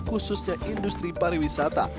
khususnya industri pariwisata